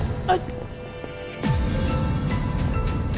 あっ！